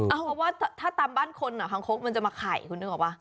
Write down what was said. เออเพราะว่าถ้าตำบ้านคนอ่ะข้างโค๊กมันจะมาข่ายคุณทิวอ๋อนะว่ะ